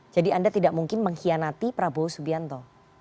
jadi anda tidak mungkin mengkhianati prabowo subianto